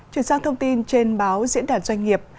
chuyển sang thông tin trên báo diễn đàn doanh nghiệp